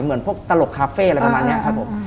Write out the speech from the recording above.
เหมือนพวกตลกคาเฟ่อะไรประมาณนี้ครับผม